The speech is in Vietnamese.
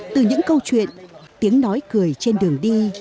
từ những câu chuyện tiếng nói cười trên đường đi